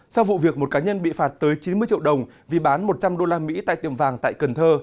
sau vụ việc một cá nhân bị phạt tới chín mươi triệu đồng vì bán một trăm linh usd tại tiệm vàng tại cần thơ